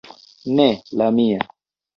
Ne la mia...